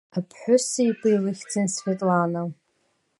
Аԥҳәыс еиба илыхьӡын Светлана.